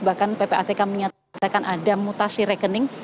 bahkan ppatk menyatakan ada mutasi rekening